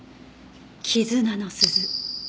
絆の鈴。